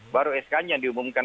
baru sk nya diumumkan